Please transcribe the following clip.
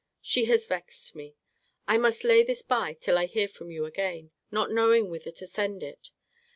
She has vexed me. I must lay this by till I hear from you again, not knowing whither to send it.